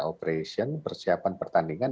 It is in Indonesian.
operation persiapan pertandingan